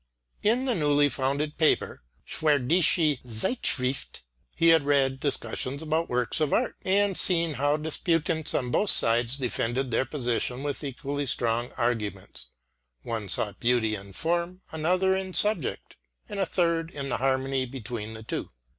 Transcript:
In the newly founded paper, the Schwedische Zeitschrift, he had read discussions about works of art, and seen how disputants on both sides defended their position with equally strong arguments. One sought beauty in form, another in subject, and a third in the harmony between the two.